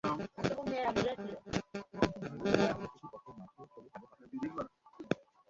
কিন্তু নানির দুর্বল শটটা ঠিকই বক্সের মাঝ দিয়ে চলে গেল বাঁ থেকে ডানে।